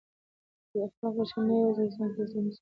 بې اخلاقه چلند نه یوازې ځان ته زیان رسوي بلکه ټولنه ګډوډوي.